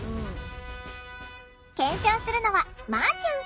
検証するのはまぁちゅんさん。